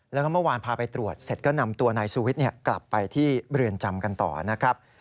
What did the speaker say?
แล้วก็เมื่อวานพาไปตรวจเสร็จก็นำตัวนายสุวิทย์กลับไปที่เรือนจำกันต่อนะครับ